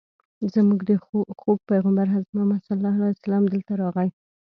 زموږ خوږ پیغمبر حضرت محمد صلی الله علیه وسلم دلته راغی.